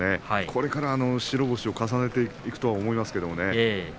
これから白星を重ねていくと思いますけどね